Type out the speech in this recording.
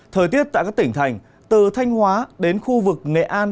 thời tiết tại các tỉnh thành từ thanh hóa đến khu vực nghệ an